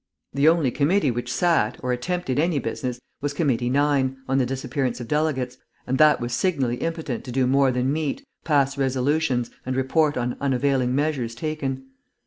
The only committee which sat, or attempted any business, was Committee 9, on the Disappearance of Delegates and that was signally impotent to do more than meet, pass resolutions, and report on unavailing measures taken.